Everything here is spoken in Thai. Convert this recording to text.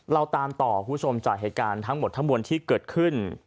เราตามต่อคุณผู้ชมจากเหตุการณ์ทั้งหมดทั้งมวลที่เกิดขึ้น